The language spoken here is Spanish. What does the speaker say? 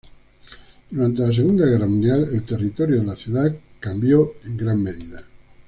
Durante la Segunda Guerra Mundial, el territorio de la ciudad cambió en gran medida.